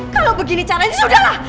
kalau begini caranya sudah lah